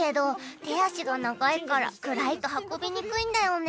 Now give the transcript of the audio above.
「手足が長いから暗いと運びにくいんだよね」